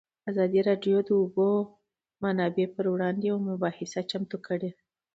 ازادي راډیو د د اوبو منابع پر وړاندې یوه مباحثه چمتو کړې.